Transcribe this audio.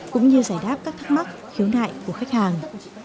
cũng như giải đáp các thắc mắc khiếu nại của khách hàng